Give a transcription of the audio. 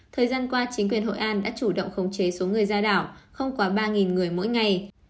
thời gian qua chính quyền hội an đã chủ động khống chế số người ra đảo không quá ba người mỗi ngày